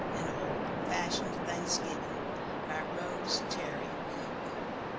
AN OLD FASHIONED THANKSGIVING BY ROSE TERRY COOKE.